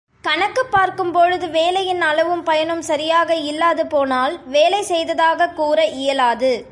கணக்குப் பார்க்கும்பொழுது வேலையின் அளவும், பயனும் சரியாக இல்லாது போனால் வேலை செய்ததாகக் கூற இயல்ாது.